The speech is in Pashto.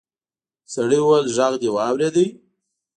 سړي وويل غږ دې واورېد.